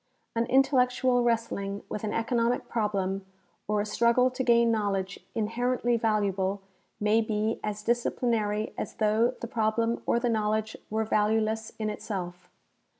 An intellectual wrestling Avith an economic problem or a struggle to gain knowledge inherently valuable may be as dis ciplinary as though the problem or the knowledge were value less in itself.